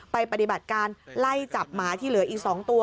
ปฏิบัติการไล่จับหมาที่เหลืออีก๒ตัว